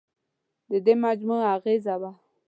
دې مجموعې اغېزه وه.